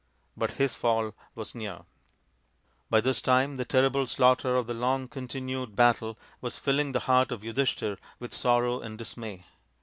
But his fall was near. 106 THE INDIAN STORY BOOK By this time the terrible slaughter of the long continued battle was filling the heart of Yudhishthir with sorrow and dismay.